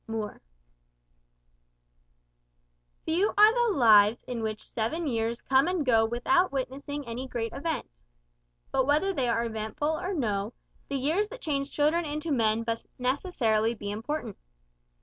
Moore Few are the lives in which seven years come and go with out witnessing any great event. But whether they are eventful or no, the years that change children into men must necessarily be important.